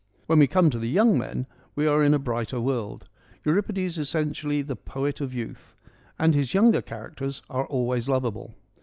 When we come to the young men we are in a brighter world. Euripides is essentially the poet of youth, and his younger characters are always lovable.